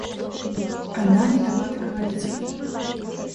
Она не дала договорить ему.